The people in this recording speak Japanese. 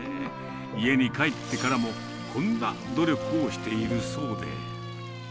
家に帰ってからも、こんな努力をしているそうで。